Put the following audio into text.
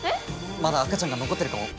まだ赤ちゃんが残ってるかも。